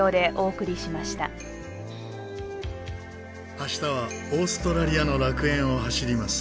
明日はオーストラリアの楽園を走ります。